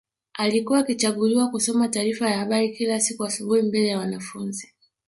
Alikuwa akichaguliwa kusoma taarifa ya habari kila siku asubuhi mbele ya wanafunzi